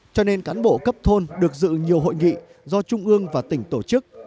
cho nên cán bộ cấp thôn được dự nhiều hội nghị do trung ương và tỉnh tổ chức